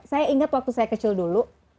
saya ingat waktu saya kecil dulu